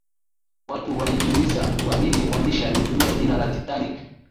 watu walijiuliza kwa nini mwandishi alitumia jina la titanic